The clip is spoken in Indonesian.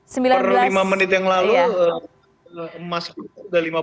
per lima menit yang lalu emas sudah lima puluh